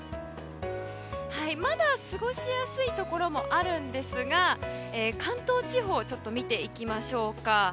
まだ過ごしやすいところもありますが関東地方を見ていきましょうか。